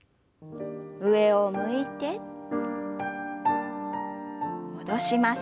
上を向いて戻します。